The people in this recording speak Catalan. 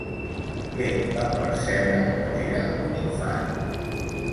Què va percebre quan era un infant?